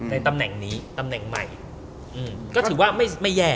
ตำแหน่งนี้ตำแหน่งใหม่ก็ถือว่าไม่แย่